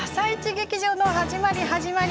劇場の始まり始まり。